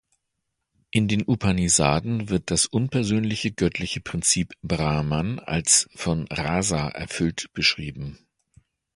In den Upanishaden wird das unpersönliche göttliche Prinzip "brahman" als von "rasa" erfüllt beschrieben.